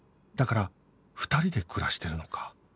だから２人で暮らしてるのか